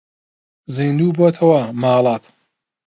زیندوو بۆتەوە ماڵات